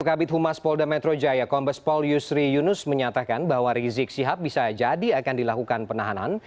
kabit humas polda metro jaya kombes pol yusri yunus menyatakan bahwa rizik sihab bisa jadi akan dilakukan penahanan